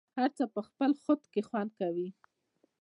هر څه په خپل خد کي خوند کوي